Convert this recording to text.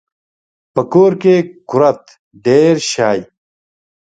په کور کې کورت ډیر شي